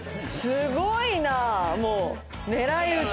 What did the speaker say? すごいなあもう狙い撃ち。